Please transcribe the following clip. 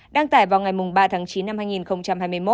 đăng tải vào ngày ba tháng chín năm hai nghìn hai mươi một